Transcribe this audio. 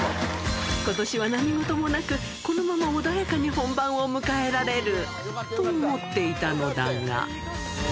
ことしは何事もなく、このまま穏やかに本番を迎えられる、と思っていたのだが。